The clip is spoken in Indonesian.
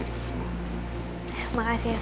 oh istilah ternyata satu